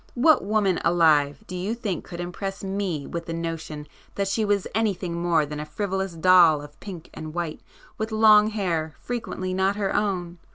What woman alive do you think could impress me with the notion that she was anything more than a frivolous doll of pink and white, with long hair frequently not her own?